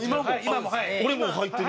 俺も入ってる。